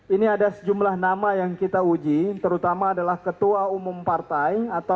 ini ada sejumlah nama yang kita uji terutama adalah ketua umum partai